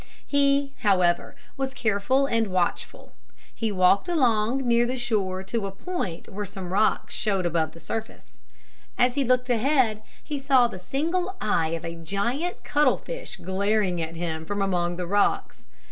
He, however, was careful and watchful. He walked along near the shore to a point where some rocks showed above the surface. As he looked ahead he saw the single eye of a giant cuttle fish glaring at him from among the rocks.